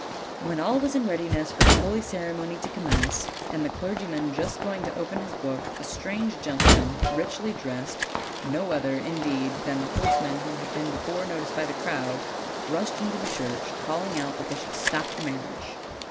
When all was in readiness for the holy cer emony to commence, and the clergyman just going to open his book, a strange gentleman, richly dressed, no other, indeed, than the horseman who had been before noticed by the crowd, rushed into the church, calling out that they should stop the marriage.